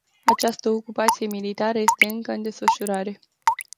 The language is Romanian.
Această ocupație militară este încă în desfășurare.